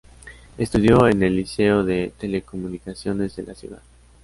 Estudió en el Liceo de Telecomunicaciones de la ciudad.